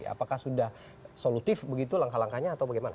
apakah sudah solutif begitu langkah langkahnya atau bagaimana